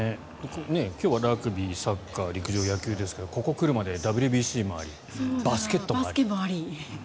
今日はラグビーサッカー、陸上、野球ですけどここに来るまでＷＢＣもありバスケットもあり。